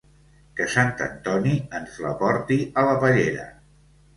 Que sant Antoni ens la porti a la pallera.